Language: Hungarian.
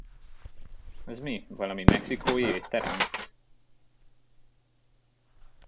Az mi, valami mexikói étterem?